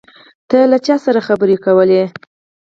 ته له چا سره خبرې کولې؟